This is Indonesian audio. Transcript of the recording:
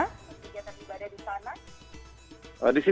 kegiatan ibadah di sana